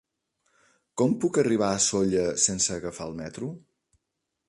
Com puc arribar a Sóller sense agafar el metro?